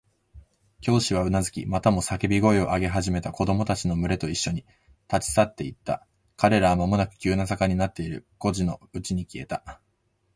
教師はうなずき、またもや叫び声を上げ始めた子供たちのむれといっしょに、立ち去っていった。彼らはまもなく急な坂になっている小路のうちに消えた。